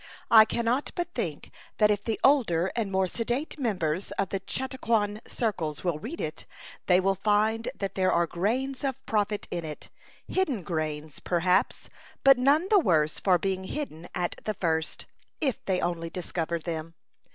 I cannot but think that if the older and more sedate members of the Chautauquan circles will read it, they will find that there are grains of profit in it; hidden grains, perhaps, but none the worse for being hidden at the first, if they only discover them.